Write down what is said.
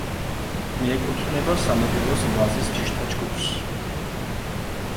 მიეკუთვნება სამეგრელოს ვაზის ჯიშთა ჯგუფს.